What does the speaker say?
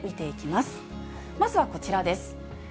まずはこちらです。